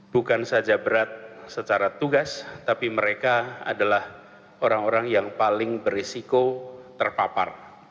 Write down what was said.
bukan saja berat secara tugas tapi mereka adalah orang orang yang paling berisiko terpapar